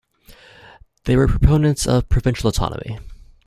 They were proponents of provincial autonomy.